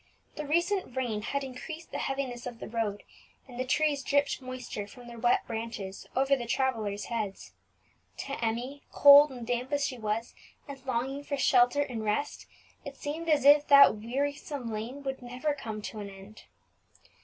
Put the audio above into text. The recent rain had increased the heaviness of the road, and the trees dripped moisture from their wet branches over the travellers' heads. To Emmie, cold and damp as she was, and longing for shelter and rest, it seemed as if that wearisome lane would never come to an end.